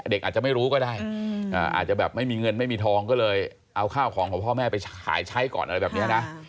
เด็กอาจจะไม่รู้ก็ได้อาจจะแบบไม่มีเงินไม่มีทองก็เลยเอาข้าวของของพ่อแม่ไปขายใช้ก่อนอะไรแบบนี้นะ